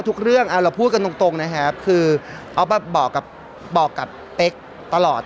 ทุกเรื่องเอาเราพูดกันตรงตรงนะครับคือออฟแบบบอกกับบอกกับเต็กตลอด